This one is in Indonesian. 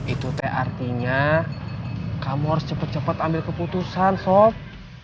itu teh artinya kamu harus cepet cepet ambil keputusan sob